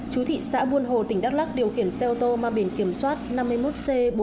chú thị xã buôn hồ tỉnh đắk lắc điều khiển xe ô tô ma biển kiểm soát năm mươi một c bốn mươi bảy nghìn ba trăm một mươi một